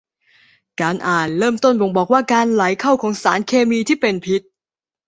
การอ่านเริ่มต้นบ่งบอกว่าการไหลเข้าของสารเคมีที่เป็นพิษ